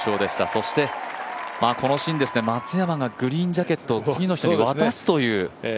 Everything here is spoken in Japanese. そして、このシーンですね、松山がグリーンジャケットを次の人に渡すという。